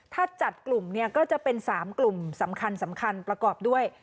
ถ้าจัดกลุ่มเนี่ยก็จะเป็น๓กลุ่มสำคัญสำคัญประกอบด้วย